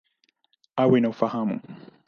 Awe na ufahamu.